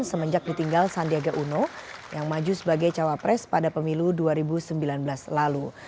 semenjak ditinggal sandiaga uno yang maju sebagai cawapres pada pemilu dua ribu sembilan belas lalu